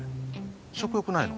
食欲ないの？